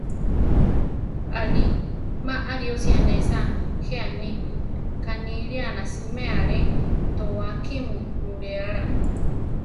Aʼlí, ma ariósi anésa, jé aní: kanilía na siméa Ale tóa Kimu nuléala.